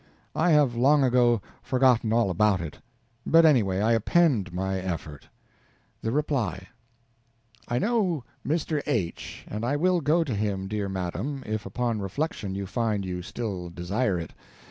I have long ago forgotten all about it. But, anyway, I append my effort: THE REPLY I know Mr. H., and I will go to him, dear madam, if upon reflection you find you still desire it.